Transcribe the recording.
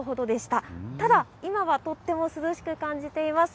ただ、今はとっても涼しく感じています。